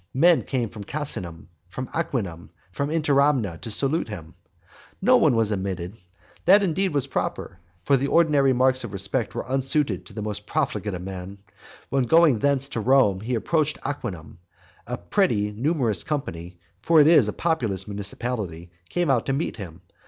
Men came from Casinum, from Aquinum, from Interamna to salute him. No one was admitted. That, indeed, was proper. For the ordinary marks of respect were unsuited to the most profligate of men. When going from thence to Rome he approached Aquinum, a pretty numerous company (for it is a populous municipality) came out to meet him.